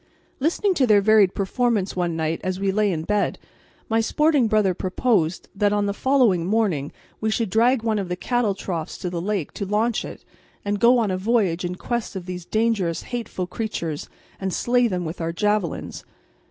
Listening to their varied performance one night as we lay in bed, my sporting brother proposed that on the following morning we should drag one of the cattle troughs to the lake to launch it and go on a voyage in quest of these dangerous, hateful creatures and slay them with our javelins.